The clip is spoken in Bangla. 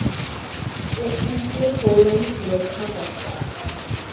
এথেন্সের পৌরাণিক রক্ষাকর্তা।